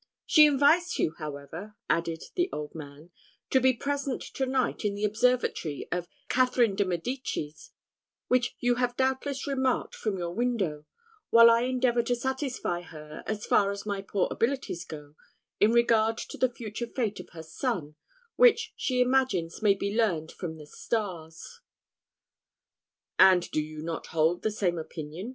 "She invites you, however," added the old man, "to be present to night in the observatory of Catherine de Medicis, which you have doubtless remarked from your window, while I endeavour to satisfy her, as far as my poor abilities go, in regard to the future fate of her son, which she imagines may be learned from the stars." "And do you not hold the same opinion?"